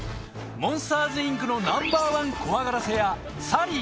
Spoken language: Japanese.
「モンスターズ・インク」のナンバーワン怖がらせ屋